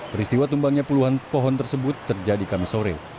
peristiwa tumbangnya puluhan pohon tersebut terjadi kami sore